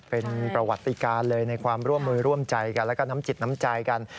เป็นประวัติการเลยในความร่วมมือร่วมใจกันแล้วก็น้ำจิตน้ำใจกัน